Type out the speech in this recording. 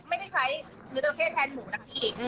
ไม่ได้ใช้เนื้อจราเข้แทนหมูนะพี่